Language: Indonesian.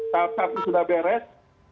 tahap tahap sudah beres